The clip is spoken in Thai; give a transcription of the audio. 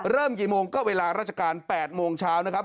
กี่โมงก็เวลาราชการ๘โมงเช้านะครับ